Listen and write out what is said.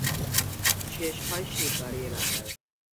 শেষ হয় শিববাড়ি এলাকায়।